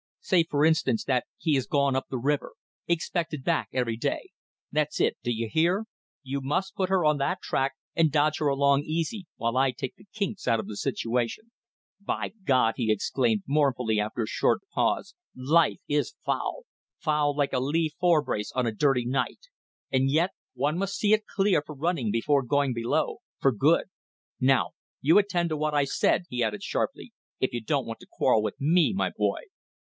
Say, for instance, that he is gone up the river. Expected back every day. That's it. D'ye hear? You must put her on that tack and dodge her along easy, while I take the kinks out of the situation. By God!" he exclaimed, mournfully, after a short pause, "life is foul! Foul like a lee forebrace on a dirty night. And yet. And yet. One must see it clear for running before going below for good. Now you attend to what I said," he added, sharply, "if you don't want to quarrel with me, my boy."